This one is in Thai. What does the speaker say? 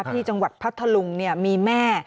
ที่จังหวัดพัทธลุงมีแม่